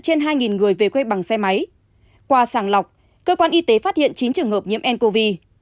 trên hai người về quê bằng xe máy qua sàng lọc cơ quan y tế phát hiện chín trường hợp nhiễm ncov